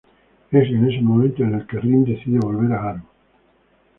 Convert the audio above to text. Es en ese momento en el que Rin decide volver con Haru.